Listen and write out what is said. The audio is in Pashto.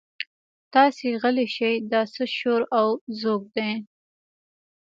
تاسې غلي شئ دا څه شور او ځوږ دی.